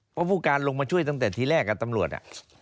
เพราะผู้การลงมาช่วยตั้งแต่ทีแรกตำรวจ